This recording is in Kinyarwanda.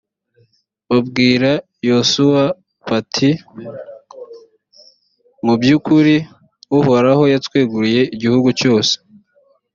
babwira yozuwe bati «mu by’ukuri, uhoraho yatweguriye igihugu cyose.